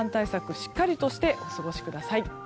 しっかりとしてお過ごしください。